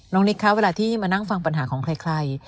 นิกคะเวลาที่มานั่งฟังปัญหาของใคร